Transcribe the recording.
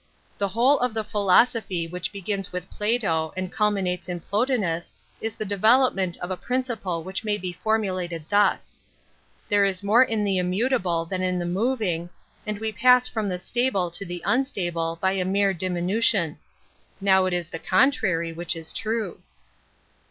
The whole of the philosophy which begins with Plato and culminates in Ploti nuB is the development of a principle which I may be formulated thus :" There is more I in the immutable than in the moving, and ■ we pass from the stable to the unstable by \ a mere diminution." Now it is the contrary I which is true.